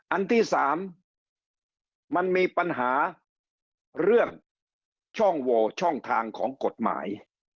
อันที่๓มันมีปัญหาเรื่องช่องโวช่องทางของกฎหมาย